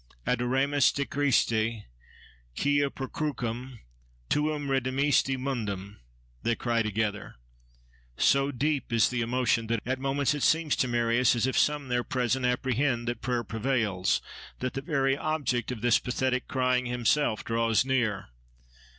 Adoramus te Christe, quia per crucem tuam redemisti mundum!—they cry together. So deep is the emotion that at moments it seems to Marius as if some there present apprehend that prayer prevails, that the very object of this pathetic crying himself draws near.